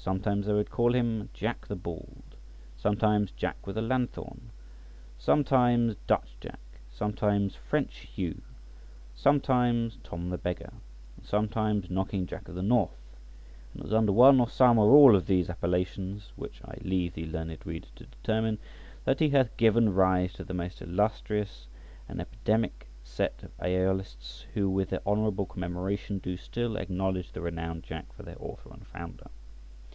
Sometimes they would call him Jack the Bald, sometimes Jack with a Lanthorn, sometimes Dutch Jack, sometimes French Hugh, sometimes Tom the Beggar, and sometimes Knocking Jack of the North . And it was under one or some or all of these appellations (which I leave the learned reader to determine) that he hath given rise to the most illustrious and epidemic sect of Æolists, who, with honourable commemoration, do still acknowledge the renowned Jack for their author and founder.